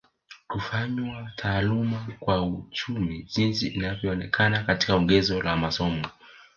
Kufanywa taaluma kwa uchumi jinsi inavyoonekana katika ongezeko la masomo